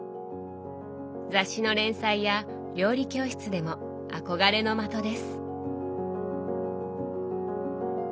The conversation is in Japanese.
雑誌の連載や料理教室でも憧れの的です。